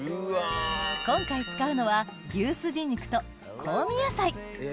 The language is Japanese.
今回使うのは牛すじ肉と香味野菜